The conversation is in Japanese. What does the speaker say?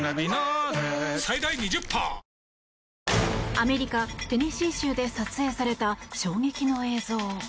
アメリカ・テネシー州で撮影された衝撃の映像。